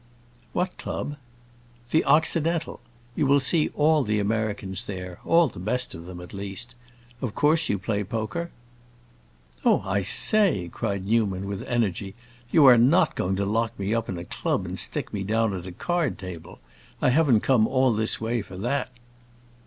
"What club?" "The Occidental. You will see all the Americans there; all the best of them, at least. Of course you play poker?" "Oh, I say," cried Newman, with energy, "you are not going to lock me up in a club and stick me down at a card table! I haven't come all this way for that."